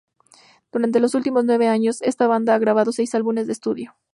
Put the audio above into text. Durante los últimos nueve años, esta banda ha grabado seis álbumes de estudio.